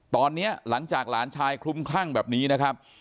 ตอนนี้หลังจากหลานชายคลุมคลั่งแบบนี้นะครับ